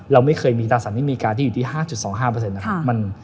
เราไม่เคยมีตราสารไม่มีการที่อยู่ที่๕๒๕นะครับ